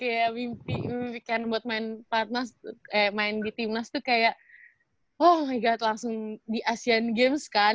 kayak mimpi mimpikan buat main timnas tuh kayak oh my god langsung di asian games kan